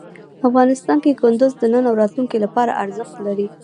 افغانستان کې کندهار د نن او راتلونکي لپاره ارزښت لري.